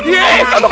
tidak tidak tidak